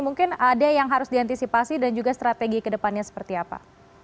mungkin ada yang harus diantisipasi dan juga strategi ke depannya seperti apa